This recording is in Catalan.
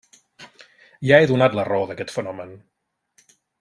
Ja he donat la raó d'aquest fenomen.